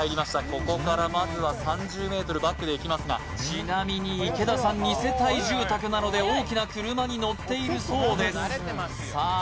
ここからまずは３０ｍバックでいきますがちなみに池田さん二世帯住宅なので大きな車に乗っているそうですさあ